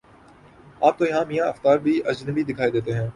اب تویہاں میاں افتخار بھی اجنبی دکھائی دیتے ہیں۔